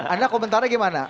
anda komentarnya gimana